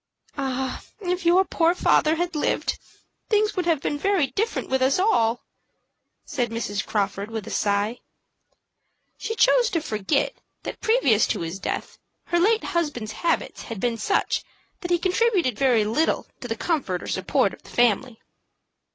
"Ah, if your poor father had lived, things would have been very different with us all!" said Mrs. Crawford, with a sigh. She chose to forget that previous to his death her late husband's habits had been such that he contributed very little to the comfort or support of the family.